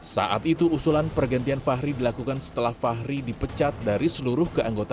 saat itu usulan pergantian fahri dilakukan setelah fahri dipecahkan